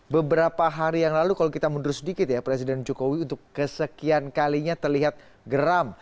beberapa hari yang lalu kalau kita mundur sedikit ya presiden jokowi untuk kesekian kalinya terlihat geram